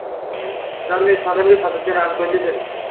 জননী সন্তানকে সযত্নে লালন করিতেছেন।